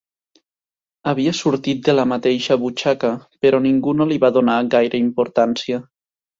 Havia sortit de la mateixa butxaca, però ningú no li va donar gaire importància.